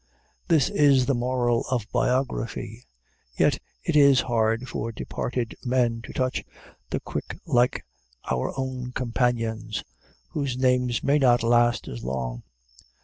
This is the moral of biography; yet it is hard for departed men to touch the quick like our own companions, whose names may not last as long.